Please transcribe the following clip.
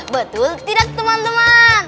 betul tidak teman teman